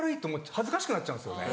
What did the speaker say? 恥ずかしくなっちゃうんですよね。